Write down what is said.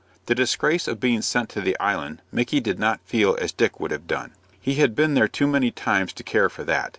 The disgrace of being sent to the Island Micky did not feel as Dick would have done. He had been there too many times to care for that.